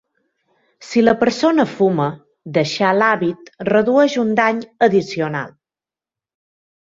Si la persona fuma, deixar l'hàbit redueix un dany addicional.